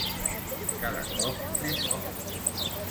Cada cop més fort.